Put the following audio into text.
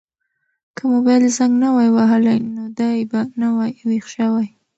که موبایل زنګ نه وای وهلی نو دی به نه وای ویښ شوی.